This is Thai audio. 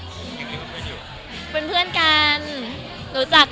มันคิดว่าจะเป็นรายการหรือไม่มี